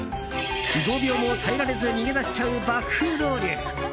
５秒も耐えられず逃げ出しちゃう爆風ロウリュ。